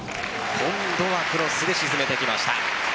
今度はクロスで沈めてきました。